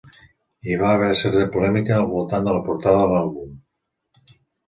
Hi va haver certa polèmica al voltant de la portada de l'àlbum.